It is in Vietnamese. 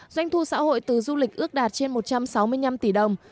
doanh thu xã hội từ du lịch ước đạt trên một trăm sáu mươi năm tỷ đồng